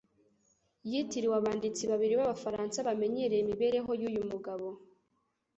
yitiriwe abanditsi b’abiri b'Abafaransa bamenyereye imibereho yuyu mugabo